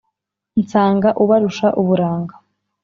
nsanga ubarusha uburanga